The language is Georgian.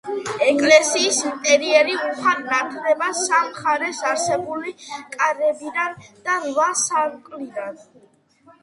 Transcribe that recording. ეკლესიის ინტერიერი უხვად ნათდება სამ მხარეს არსებული კარებიდან და რვა სარკმლიდან.